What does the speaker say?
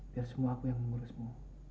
biar semua aku yang mengurusmu